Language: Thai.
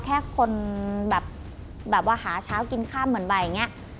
แค่คนแบบว่าหาเช้ากินค่ำเหมือนบ่ายอย่างนี้